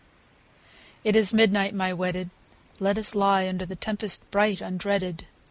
It is midnight, my wedded ; Let us lie under The tempest bright undreaded.